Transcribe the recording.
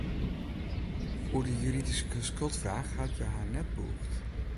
Oer de juridyske skuldfraach hat hja har net bûgd.